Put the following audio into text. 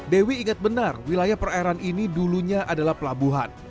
dewi ingat benar wilayah perairan ini dulunya adalah pelabuhan